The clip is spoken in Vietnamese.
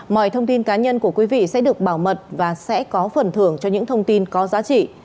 mọi thông tin cá nhân của quý vị sẽ được bảo mật và sẽ có phần thưởng cho những thông tin có giá trị